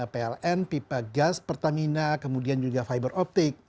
pln pipa gas pertamina kemudian juga fiber optic